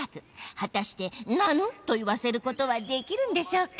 はたして「なぬ！」と言わせることはできるんでしょうか？